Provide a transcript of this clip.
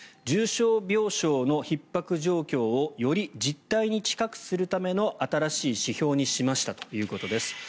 重症病床のひっ迫状況をより実態に近くするための新しい指標にしましたということです。